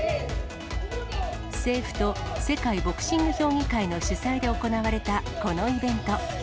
政府と世界ボクシング評議会の主催で行われたこのイベント。